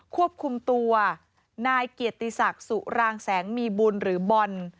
ควบคุมตัวนายเกียรติศักดิ์สุรางแสงมีบุญหรือบอล